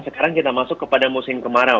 sekarang kita masuk kepada musim kemarau